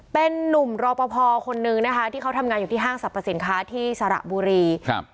เป็นนุ่มรอปภคนนึงนะคะที่เขาทำงานอยู่ที่ห้างสรรพสินค้าที่สระบุรีครับ